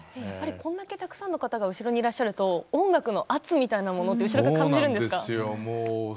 これだけたくさんの方が後ろにいらっしゃると音楽の圧というものを後ろから感じるんですか？